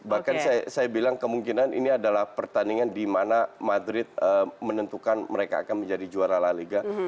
bahkan saya bilang kemungkinan ini adalah pertandingan di mana madrid menentukan mereka akan menjadi juara la liga